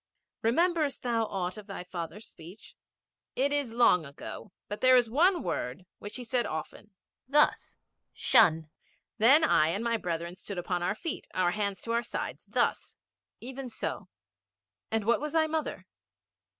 'Rememberest thou aught of thy father's speech?' 'It is long ago. But there is one word which he said often. Thus "Shun." Then I and my brethren stood upon our feet, our hands to our sides. Thus.' 'Even so. And what was thy mother?'